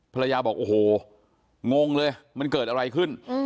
บอกโอ้โหงงเลยมันเกิดอะไรขึ้น